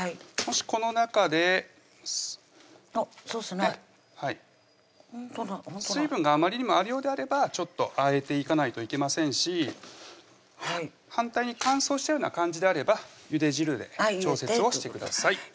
もしこの中であっソースない水分があまりにもあるようであればちょっとあえていかないといけませんし反対に乾燥したような感じであればゆで汁で調節をしてください